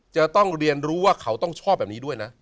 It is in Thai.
จะต้องเรียนรู้ว่าเขาต้องชอบแบบนี้ด้วยนะ